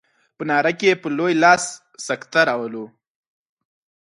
په ناره کې په لوی لاس سکته راولو.